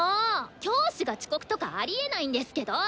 教師が遅刻とかありえないんですけど！